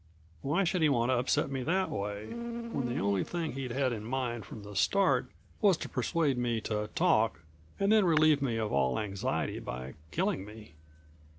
Why should he want to upset me that way, when the only thing he'd had in mind from the start was to persuade me to talk and then relieve me of all anxiety by killing me?